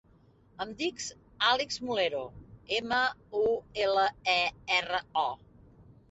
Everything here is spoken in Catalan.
Em dic Alix Mulero: ema, u, ela, e, erra, o.